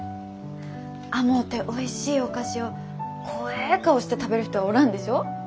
甘うておいしいお菓子を怖え顔して食べる人はおらんでしょう。